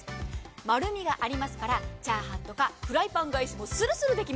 丸みがありますからチャーハンとかフライパン返しもスルスル。